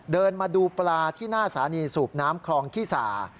เดินมาดูปลาที่หน้าสถานีสูบน้ำคลองขี้สา